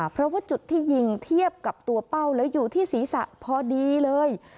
เพราะว่าจุดที่ยิงเทียบกับตัวเป้าแล้วอยู่ที่ศีรษะพอดีเลย